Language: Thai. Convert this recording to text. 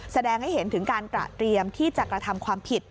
แสดงให้เห็นถึงการกระเตรียมที่จะกระทำความผิด